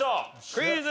クイズ。